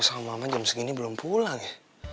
sama mama jam segini belum pulang ya